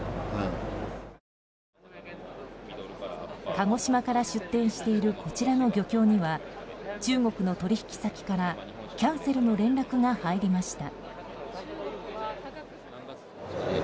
鹿児島から出展しているこちらの漁協には中国の取引先からキャンセルの連絡が入りました。